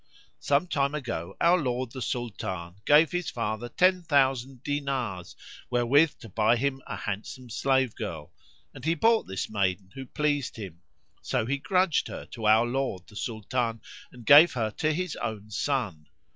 Some time ago our lord the Sultan gave his father ten thousand dinars wherewith to buy him a handsome slave girl, and he bought this maiden who pleased him; so he grudged her to our lord the Sultan and gave her to his own son.